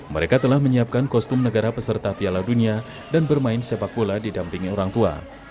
mereka telah menyiapkan kostum negara peserta piala dunia dan bermain sepak bola didampingi orang tua